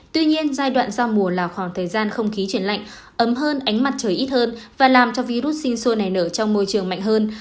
tuy nhiên giai đoạn giao mùa là khoảng thời gian không khí chuyển lạnh ấm hơn ánh mặt trời ít hơn và làm cho virus sinh sôi nảy nở trong môi trường mạnh hơn